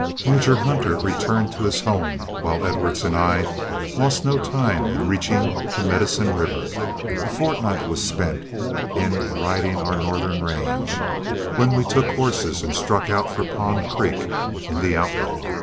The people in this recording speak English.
Major Hunter returned to his home, while Edwards and I lost no time in reaching the Medicine River. A fortnight was spent in riding our northern range, when we took horses and struck out for Pond Creek in the Outlet.